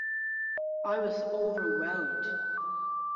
I was overwhelmed.